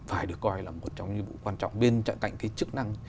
phải được coi là một trong những vụ quan trọng bên cạnh cái chức năng